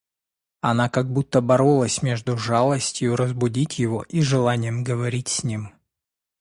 Она как будто боролась между жалостью разбудить его и желанием говорить с ним.